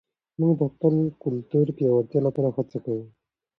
موږ د خپل کلتور د پیاوړتیا لپاره هڅه کوو.